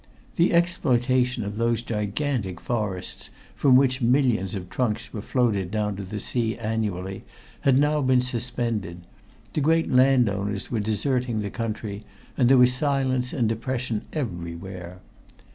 The exploitation of those gigantic forests from which millions of trunks were floated down to the sea annually had now been suspended, the great landowners were deserting the country, and there was silence and depression everywhere.